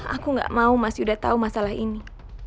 aku gak mau mas yudha tau masalah ini